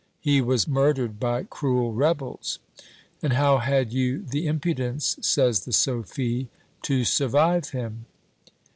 'He was murdered by cruel rebels.' 'And how had you the impudence,' says the Sophy, 'to survive him?'